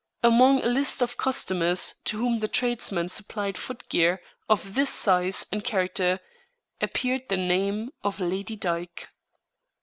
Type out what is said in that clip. Among a list of customers to whom the tradesman supplied footgear of this size and character appeared the name of Lady Dyke.